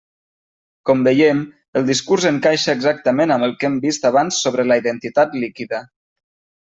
Com veiem, el discurs encaixa exactament amb el que hem vist abans sobre la identitat líquida.